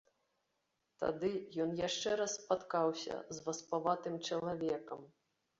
Тады ён яшчэ раз спаткаўся з васпаватым чалавекам.